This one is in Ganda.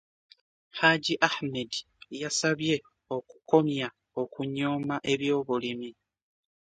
Haji Ahmed yasabye okukomya okunyooma eby'obulimi